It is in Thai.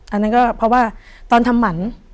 อันนั้นก็เพราะว่าตอนทำหมัน